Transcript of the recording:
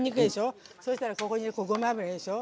そしたら、ここにごま油入れるでしょ。